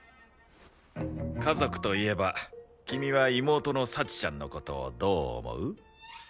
家族といえば君は妹の幸ちゃんの事をどう思う？